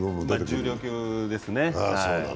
重量級ですね。